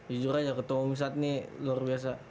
jujur aja ketua umum saat ini luar biasa